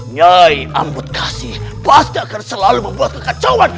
nyai ambedkasi pasti akan selalu membuat kekacauan